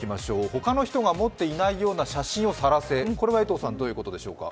他の人が持っていないような写真を晒せ、これはどういうことでしょうか。